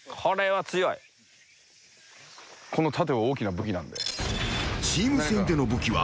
この盾大きな武器なんで。